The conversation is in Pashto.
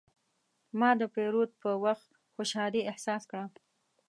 ما د پیرود په وخت خوشحالي احساس کړه.